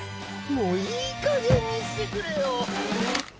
もういい加減にしてくれよ。